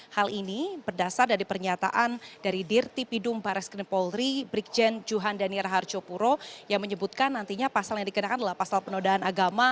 hal ini berdasar dari pernyataan dari dirti pidum barres krimpolri brikjen juhan danir harjopuro yang menyebutkan nantinya pasal yang dikenakan adalah pasal penodaan agama